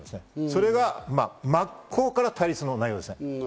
それが真っ向から対立した内容です。